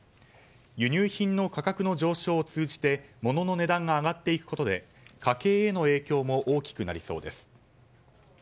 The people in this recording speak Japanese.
輸入品の価格の上昇を通じて物の値段が上がっていくことで家計への影響も大きくなりそうです。